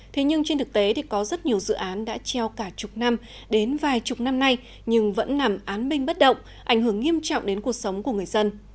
thế nhưng trên thực tế thì có rất nhiều dự án đã treo cả chục năm đến vài chục năm nay nhưng vẫn nằm án minh bất động ảnh hưởng nghiêm trọng đến cuộc sống của người dân